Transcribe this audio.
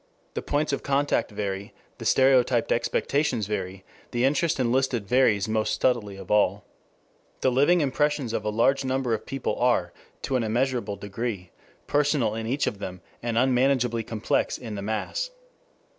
The points of contact vary, the stereotyped expectations vary, the interest enlisted varies most subtly of all. The living impressions of a large number of people are to an immeasurable degree personal in each of them, and unmanageably complex in the mass.